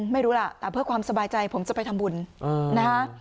ไม่รู้ล่ะเพื่อความสบายใจผมจะไปทำบุญนะฮะ